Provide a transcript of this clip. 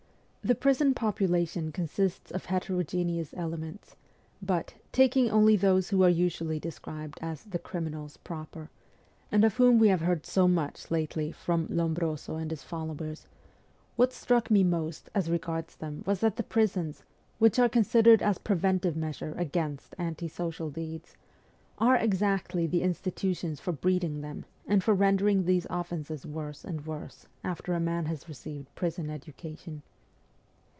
The prison population consists of heterogeneous elements ; but, taking only those who are usually described as ' the criminals ' proper, and of whom we have heard so much lately from Lombroso and his followers, what struck me most as regards them was that the prisons, which are considered as a preventive measure against anti social deeds, are exactly the institutions for breed ing them and for rendering these offences worse and worse after a man has received prison education.